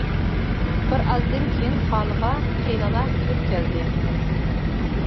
بىر ئازدىن كېيىن خانىغا قېيىنئانا كىرىپ كەلدى.